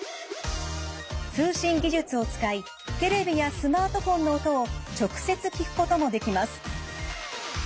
通信技術を使いテレビやスマートフォンの音を直接聞くこともできます。